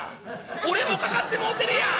俺もかかってもうてるやん！」。